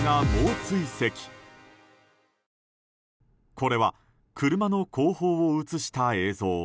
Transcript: これは車の後方を映した映像。